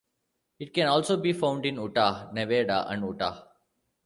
It can also be found in Utah, Nevada and Utah.